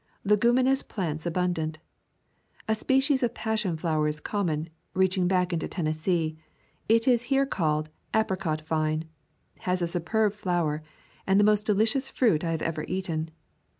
Leguminous plants abundant. A species of passion flower is common, reaching back into Tennessee. It is here called "apricot vine," has a superb flower, and the most delicious fruit I have ever eaten.